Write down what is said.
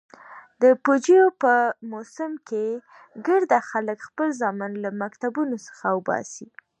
د پوجيو په موسم کښې ګرده خلك خپل زامن له مكتبو څخه اوباسي.